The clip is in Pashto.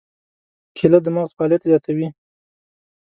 کېله د مغز فعالیت زیاتوي.